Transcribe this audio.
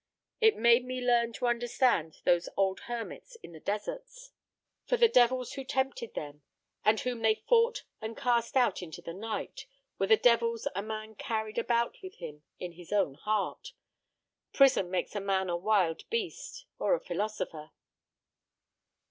It made me learn to understand those old hermits in the deserts. For the devils who tempted them, and whom they fought and cast out into the night, were the devils a man carried about with him in his own heart. Prison makes a man a wild beast—or a philosopher."